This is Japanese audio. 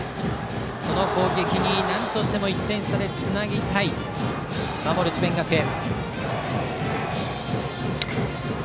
その攻撃になんとしても１点差でつなぎたい守る智弁学園。